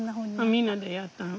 みんなでやったの？